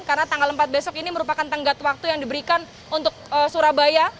karena tanggal empat besok ini merupakan tenggat waktu yang diberikan untuk surabaya